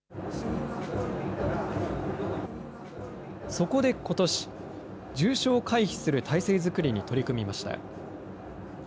そこでことし、重傷を回避する体制作りに取り組みました。